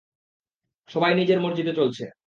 সবাই নিজের মর্জিতে চলছে।